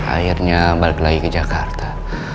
akhirnya balik lagi ke jakarta